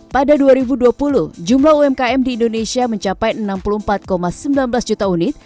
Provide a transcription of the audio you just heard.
pada dua ribu dua puluh jumlah umkm di indonesia mencapai enam puluh empat sembilan belas juta unit